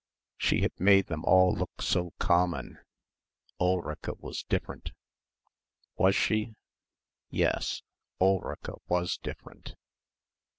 She had made them all look so "common." Ulrica was different. Was she? Yes, Ulrica was different